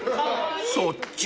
［そっち？］